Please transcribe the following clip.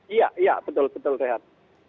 iya betul betul sehat